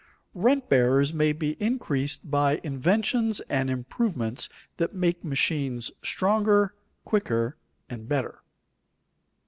_Rent bearers may be increased by inventions and improvements that make machines stronger, quicker, and better.